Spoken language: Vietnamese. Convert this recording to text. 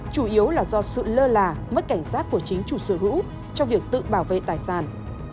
chủ yếu là do sự lơ là mất cảnh giác của chính chủ sở hữu trong việc tự bảo vệ tài sản